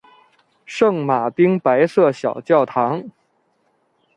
圣马丁白色小教堂。